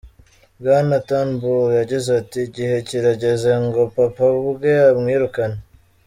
Bwana Turnbull yagize ati: "Igihe kirageze ngo Papa ubwe amwirukane.